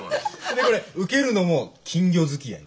でこれうけるのも「キンギョづきあい」。